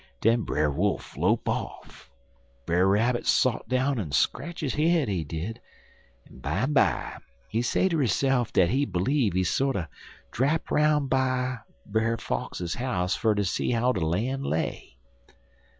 "Den Brer Wolf lope off. Brer Rabbit sot down en scratch his head, he did, en bimeby he say ter hisse'f dat he b'leeve he sorter drap 'roun' by Brer Fox house fer ter see how de lan' lay.